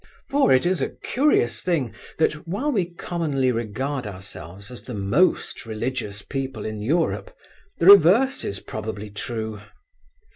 For it is a curious thing that while we commonly regard ourselves as the most religious people in Europe, the reverse is probably true.